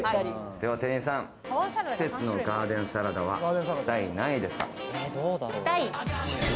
では店員さん、季節のガーデンサラダは第何位ですか？